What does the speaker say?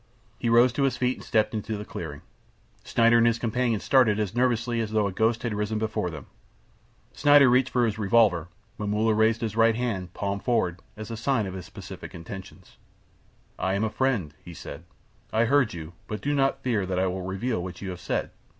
He rose to his feet and stepped into the clearing. Schneider and his companion started as nervously as though a ghost had risen before them. Schneider reached for his revolver. Momulla raised his right hand, palm forward, as a sign of his pacific intentions. "I am a friend," he said. "I heard you; but do not fear that I will reveal what you have said.